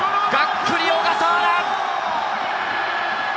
がっくり小笠原！